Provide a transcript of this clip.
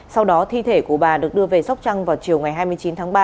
sau đó thi thể của bà được đưa về sóc trăng vào chiều ngày hai mươi chín tháng ba